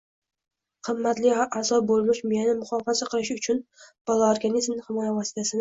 qimmatli a’zo bo‘lmish miyani muhofaza qilish uchun bola organizmi himoya vositasini